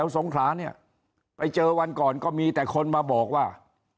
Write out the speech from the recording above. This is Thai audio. สงขลาเนี่ยไปเจอวันก่อนก็มีแต่คนมาบอกว่า